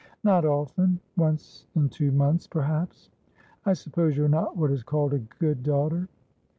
"Not often. Once in two months, perhaps." "I suppose you are not what is called a good daughter?"